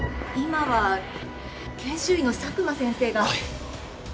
今は研修医の佐久間先生が。